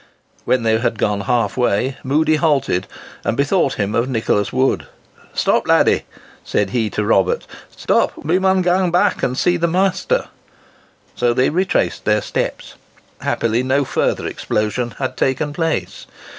When they had gone halfway, Moodie halted, and bethought him of Nicholas Wood. "Stop, laddie!" said he to Robert, "stop; we maun gang back, and seek the maister." So they retraced their steps. Happily, no further explosion had taken place.